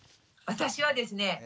私はですね